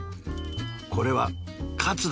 これはカツだ。